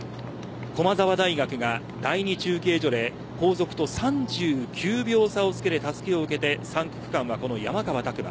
駒澤大学が第２中継所で後続と３９秒差をつけてたすきを受けて３区間は山川拓馬。